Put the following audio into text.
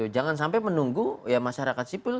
jangan sampai menunggu ya masyarakat sipil